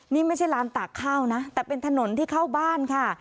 นี่ไม่ใช่ร้านตากข้าวนะแต่เป็นถนนที่เข้าบ้านค่ะ